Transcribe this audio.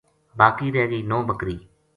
باقی رہ گئی نوبکری